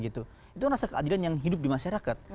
itu rasa keadilan yang hidup di masyarakat